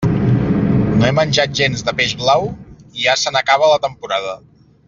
No he menjat gens de peix blau i ja se n'acaba la temporada.